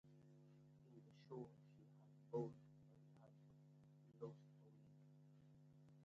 In the show she is bald and has lost her wig.